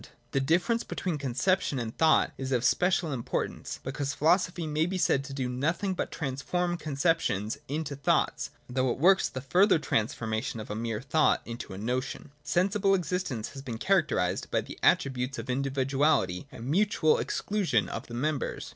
\ The difference between conception and thought is of special importance : because philosophy may be said to do nothing but transform conceptions into thoughts, — though it works the further transformation of a mere thought into a notion. Sensible existence has been characterised by the attributes of individuality and mutual exclusion of the members.